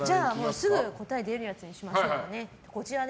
すぐ答え出るやつにしましょうかね。